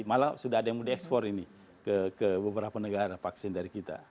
malah sudah ada yang mau diekspor ini ke beberapa negara vaksin dari kita